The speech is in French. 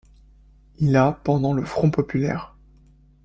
Il a pendant le Front populaire.